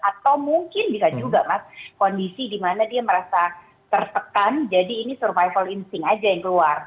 atau mungkin bisa juga mas kondisi dimana dia merasa tertekan jadi ini survival instinc aja yang keluar